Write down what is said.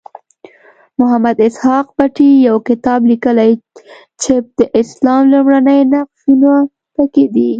محمد اسحاق بټي یو کتاب لیکلی چې د اسلام لومړني نقشونه پکې دي.